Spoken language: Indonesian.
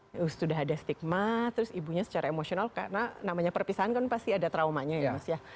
terus sudah ada stigma terus ibunya secara emosional karena namanya perpisahan kan pasti ada traumanya ya mas ya